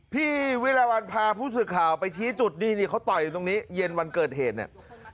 พี่วิรวัลพาผู้สื่อข่าวไปชี้จุดนี่เขาต่อยอยู่ตรงนี้เย็นวันเกิดเหตุเนี่ย